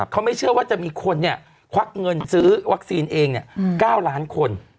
เขาไม่เชื่อว่าจะมีคนควักเงินซื้อวัคซีนเอง๙ล้านคน